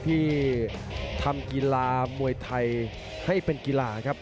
ที่ทำกีฬามวยไทยให้เป็นกีฬาครับ